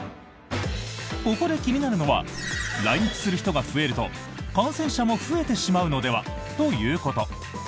ここで気になるのは来日する人が増えると感染者も増えてしまうのでは？ということ。